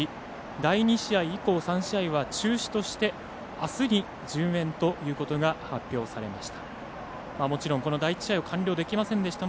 第２試合以降３試合は中止としてあすに順延ということが発表されました。